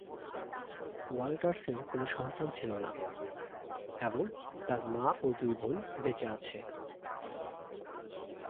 ওয়াল্টার্সের কোন সন্তান ছিল না এবং তার মা ও দুই বোন বেঁচে আছে।